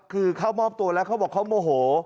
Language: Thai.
คือเข้ามอบตัวแล้วเขาบอกเขาโมโห